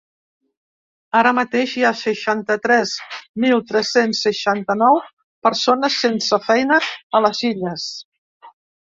Ara mateix hi ha seixanta-tres mil tres-cents seixanta-nou persones sense feina a les Illes.